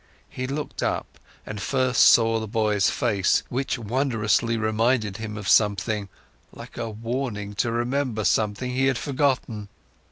He looked up and first saw the boy's face, which wondrously reminded him of something, like a warning to remember something he had forgotten.